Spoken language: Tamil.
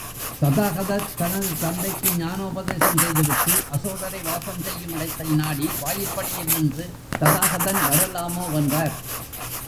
ததாகதர் தனது தந்தைக்கு ஞானோபதேசம் செய்துவிட்டு அசோதரை வாசம் செய்யும் இடத்தை நாடி வாயிற்படியில் நின்று ததாகதன் வரலாமோவென்றார்.